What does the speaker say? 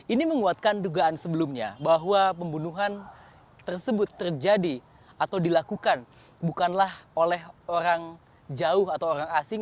ini menguatkan dugaan sebelumnya bahwa pembunuhan tersebut terjadi atau dilakukan bukanlah oleh orang jauh atau orang asing